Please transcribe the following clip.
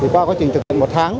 qua quá trình thực hiện một tháng